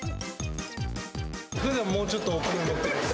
ふだん、もうちょっとお米盛っています。